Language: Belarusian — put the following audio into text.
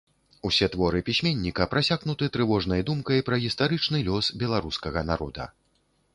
Усе творы пісьменніка прасякнуты трывожнай думкай пра гістарычны лёс беларускага народа.